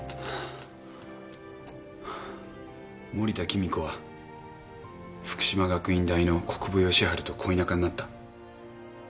森田貴美子は福島学院大の国府吉春と恋仲になった。